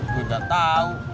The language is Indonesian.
gua udah tau